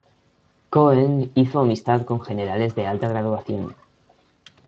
Cohen hizo amistad con generales de alta graduación.